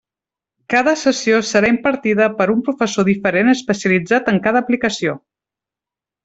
Cada sessió serà impartida per un professor diferent especialitzat en cada aplicació.